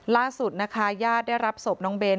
ล่าสุดนะคะญาติได้รับศพน้องเน้น